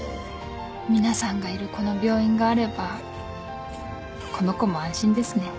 皆さんがいるこの病院があればこの子も安心ですね。